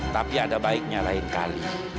tapi ada baiknya lain kali